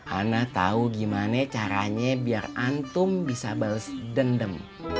ane tau gimana caranya biar antum bisa balas dendam